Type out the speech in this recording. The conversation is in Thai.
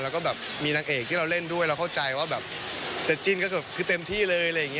เราก็มีนางเอกที่เราเล่นด้วยเราเข้าใจว่าจะจริงก็เต็มที่เลย